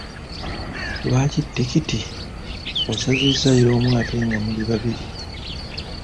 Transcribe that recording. Lwaki tikiti osazizza y'omu ate nga muli babiri?